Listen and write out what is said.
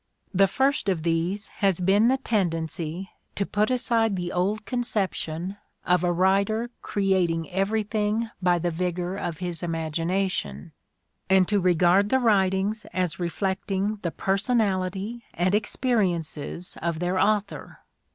The first of these has been the tendency to put aside the 21 old conception of a writer creating everything by the vigour of his imagination, and to regard the writings as reflecting the personality and experiences of their author.